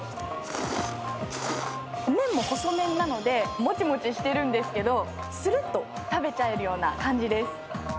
麺も細麺なのでもちもちしているんですけども、するっと食べちゃえるような感じです。